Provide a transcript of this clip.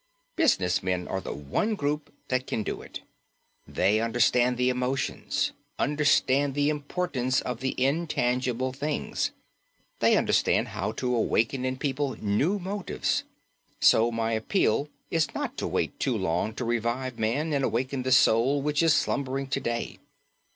Business men are the one group that can do it. They understand the emotions, understand the importance of the intangible things. They understand how to awaken in people new motives. So my appeal is not to wait too long to revive man and awaken the soul which is slumbering to day.